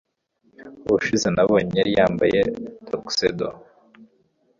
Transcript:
Ubushize nabonye yari yambaye tuxedo.